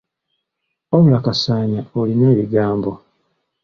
Wabula Kasaanya olina ebigambo.